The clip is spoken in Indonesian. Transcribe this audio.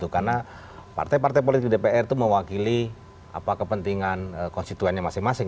karena partai partai politik dpr itu mewakili kepentingan konstituennya masing masing